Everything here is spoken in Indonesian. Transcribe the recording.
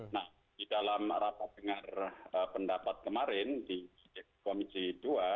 nah di dalam rapat dengar pendapat kemarin di komisi dua